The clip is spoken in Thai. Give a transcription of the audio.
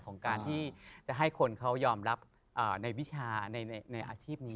ของการที่จะให้คนเขายอมรับในวิชาในอาชีพนี้